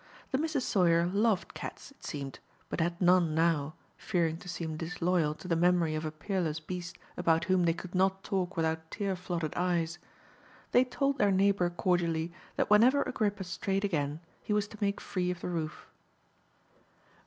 The Misses Sawyer loved cats, it seemed, but had none now, fearing to seem disloyal to the memory of a peerless beast about whom they could not talk without tear flooded eyes. They told their neighbor cordially that whenever Agrippa strayed again he was to make free of the roof.